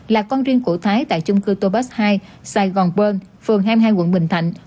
là con riêng của thái tại chung cư tobas high sài gòn burn phường hai mươi hai quận bình thạnh